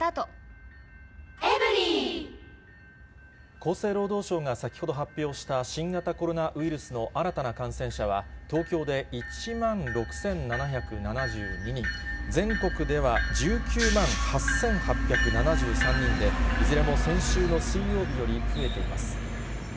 厚生労働省が先ほど発表した新型コロナウイルスの新たな感染者は、東京で１万６７７２人、全国では１９万８８７３人で、いずれも先週の水曜日より増えています。